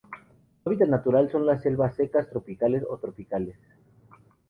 Se hábitat natural son las selvas secas, tropicales o tropicales.